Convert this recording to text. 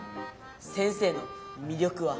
先生のみりょくは？